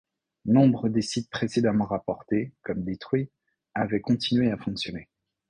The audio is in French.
Nombre des sites précédemment rapportés comme détruits avaient continué à fonctionner.